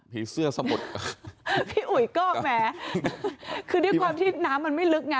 ผีเสื้อสะดดพี่อุ๋ยกล้อกแหมคือนี่ความที่น้ำมันไม่ลึกง่ะ